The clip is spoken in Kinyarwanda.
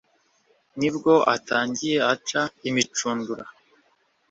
Ni bwo atangiye aca imicundura